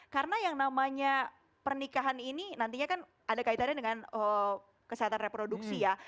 karena yang namanya pernikahan ini nantinya kan ada kaitannya dengan kesehatan reproduksi ya